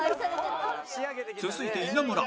続いて稲村